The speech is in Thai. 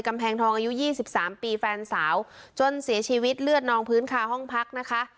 กำแพงทองอายุยี่สิบสามปีแฟนสาวจนเสียชีวิตเลือดนองพื้นคาห้องพักนะคะ